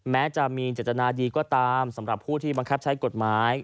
แม้จะมีเจตนาดีก็ตามสำหรับผู้ที่บังคับใช้กฎหมาย